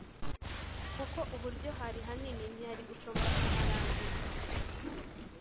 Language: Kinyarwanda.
kuko uburyo hari hanini, ntiyari gushobora kuharangiza